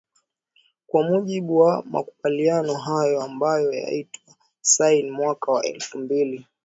kwa mjibu wa makumbaliano hayo ambayo yatiwa saini mwaka wa elfu mbili